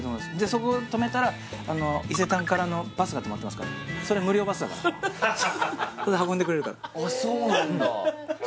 そことめたら伊勢丹からのバスがとまってますからそれ無料バスだから運んでくれるからあっそうなんだ？